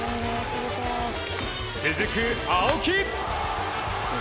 続く青木！